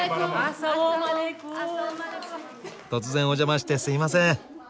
突然お邪魔してすいません。